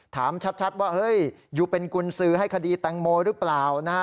ถามชัดว่าเฮ้ยอยู่เป็นกุญสือให้คดีแตงโมหรือเปล่านะฮะ